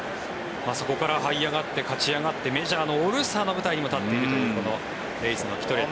そこからはい上がって勝ち上がってメジャーのオールスターの舞台に立っているというレイズのキトレッジ。